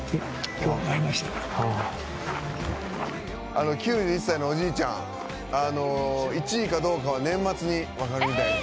あの９１歳のおじいちゃん１位かどうかは年末にわかるみたいですね。